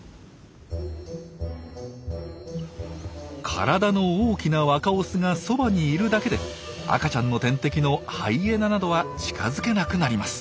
体の大きな若オスがそばにいるだけで赤ちゃんの天敵のハイエナなどは近づけなくなります。